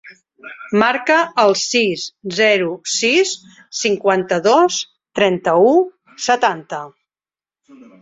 Marca el sis, zero, sis, cinquanta-dos, trenta-u, setanta.